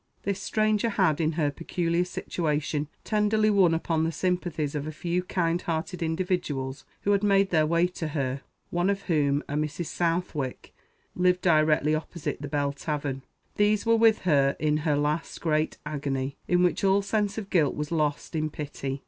This stranger had, in her peculiar situation, tenderly won upon the sympathies of a few kind hearted individuals who had made their way to her, one of whom, a Mrs. Southwick, lived directly opposite the Bell Tavern. These were with her in her last great agony, in which all sense of guilt was lost in pity.